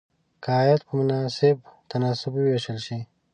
که عاید په مناسب تناسب وویشل شي.